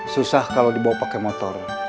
susah kalau dibawa pakai motor